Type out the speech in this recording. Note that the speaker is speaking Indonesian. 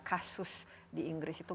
kasus di inggris itu